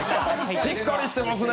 しっかりしてるね。